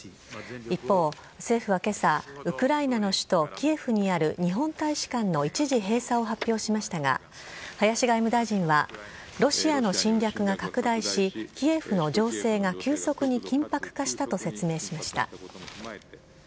一方、政府はけさ、ウクライナの首都キエフにある日本大使館の一時閉鎖を発表しましたが、林外務大臣は、ロシアの侵略が拡大し、キエフの情勢が急速に緊迫化したと説明しました。